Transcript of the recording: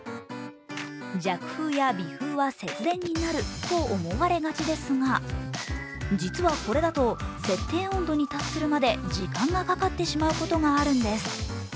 弱風や微風は節電になると思われがちですが実は、これだと設定温度に達するまで時間がかかってしまうことがあるんです。